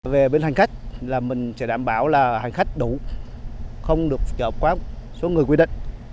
về bên hành khách là mình sẽ đảm bảo là hành khách đủ không được chợ quá số người quy định